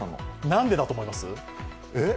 なんでだと思います？